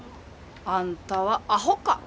あんたはあほか。